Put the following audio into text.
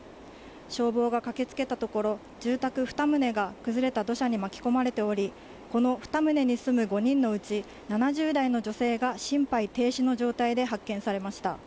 消防が駆けつけたところ、住宅２棟が崩れた土砂に巻き込まれており、この２棟に住む５人のうち７０代の女性が心肺停止の状態で発見されました。